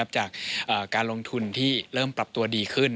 จากการลงทุนที่เริ่มปรับตัวดีขึ้น